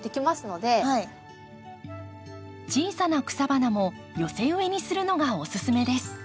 小さな草花も寄せ植えにするのがおすすめです。